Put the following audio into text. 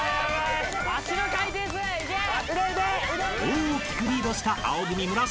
［大きくリードした青組村重さん］